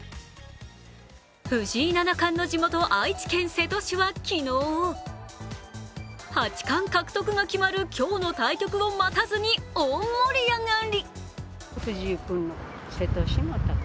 藤井七冠の地元・愛知県瀬戸市は昨日、八冠獲得が決まる今日の対局を待たずに大盛り上がり。